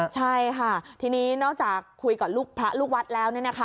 ใช่ค่ะทีนี้นอกจากคุยกับพระลูกวัดแล้ว